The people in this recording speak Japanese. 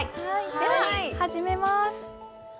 では始めます。